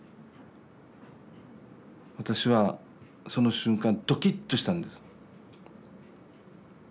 私はその瞬間ドキッとしたんです。